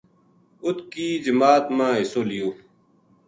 اُت کی جماعت ما حِصو لیو